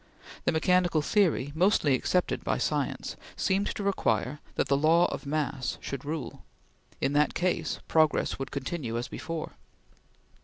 The mechanical theory, mostly accepted by science, seemed to require that the law of mass should rule. In that case, progress would continue as before.